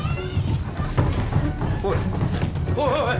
おいおいおいおい！